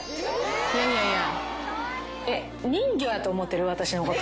いやいやいや。